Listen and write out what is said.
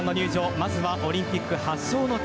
まずはオリンピック発祥の地